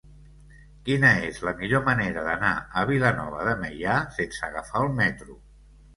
Quina és la millor manera d'anar a Vilanova de Meià sense agafar el metro?